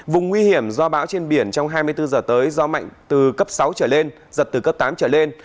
vùng nguy hiểm do bão trên biển trong hai mươi bốn giờ tới do mạnh từ cấp sáu trở lên giật từ cấp tám trở lên